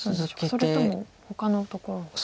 それともほかのところ。